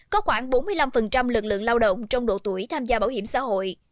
có khoảng bốn mươi năm lực lượng lao động trong độ tuổi tham gia bảo hiểm xã hội